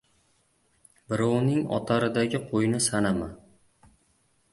• Birovning otaridagi qo‘yni sanama.